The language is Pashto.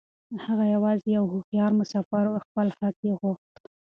هغه يوازې يو هوښيار مسافر و چې خپل حق يې غوښت.